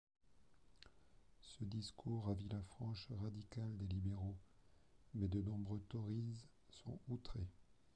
Ce discours ravit la frange radicale des libéraux, mais de nombreux Tories sont outrés.